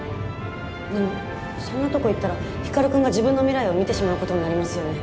でもそんなとこ行ったら光くんが自分の未来を見てしまうことになりますよね？